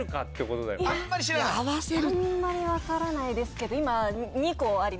あんまり分からないですけど。